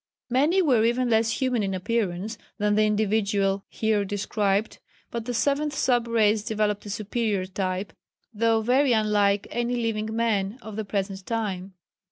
Many were even less human in appearance than the individual here described, but the seventh sub race developed a superior type, though very unlike any living men of the present time.